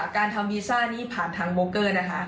การทำวีซ่านี้ผ่านทางโบเกอร์นะคะ